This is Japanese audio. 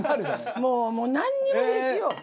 もうなんにも平気よ。